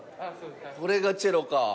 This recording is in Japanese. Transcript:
これがチェロか。